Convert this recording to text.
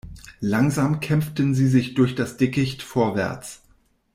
Langsam kämpften sie sich durch das Dickicht vorwärts.